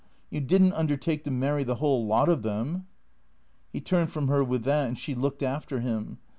You did n't undertake to marry the whole lot of them." He turned from her with that, and she looked after him.